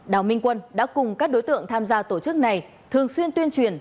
đào minh quân đã cùng các đối tượng tham gia tổ chức này thường xuyên tuyên truyền